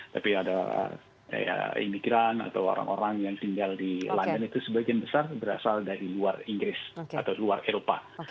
tapi ada imigran atau orang orang yang tinggal di london itu sebagian besar berasal dari luar inggris atau luar eropa